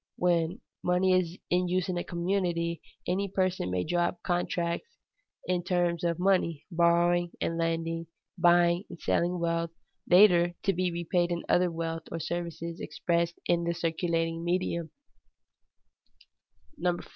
When money is in use in a community, any person may draw up contracts in terms of money, borrowing and lending, buying and selling wealth, later to be repaid in other wealth or services expressed in the circulating medium.